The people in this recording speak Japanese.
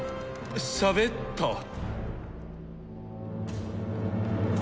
しゃべった。